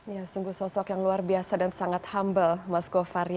ya sungguh sosok yang luar biasa dan sangat humble mas govar